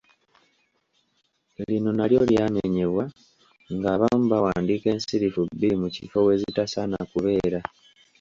Lino nalyo lyamenyebwa ng'abamu bawandiika ensirifu bbiri mu kifo we zitasaana kubeera.